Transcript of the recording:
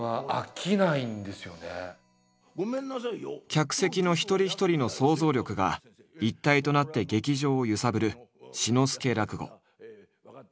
客席の一人一人の想像力が一体となって劇場を揺さぶる「志の輔らくご」。